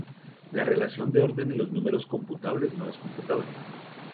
La relación de orden en los números computables no es computable.